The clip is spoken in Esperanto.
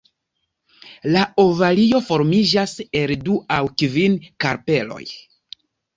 La ovario formiĝas el du aŭ kvin karpeloj.